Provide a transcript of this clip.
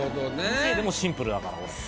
先生でもシンプルだから。